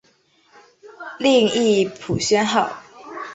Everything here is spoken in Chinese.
另译朴宣浩。